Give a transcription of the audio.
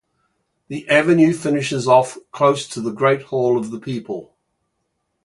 The avenue finishes off close to the Great Hall of the People.